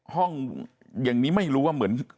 ห้องอย่างนี้ไม่รู้ว่าเหมือน